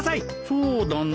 そうだな。